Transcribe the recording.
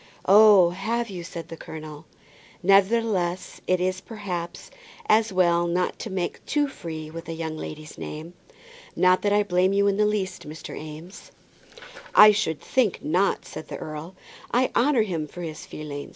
"Oh, have you?" said the colonel. "Nevertheless it is, perhaps, as well not to make too free with a young lady's name. Not that I blame you in the least, Mr. Eames." "I should think not," said the earl. "I honour him for his feeling.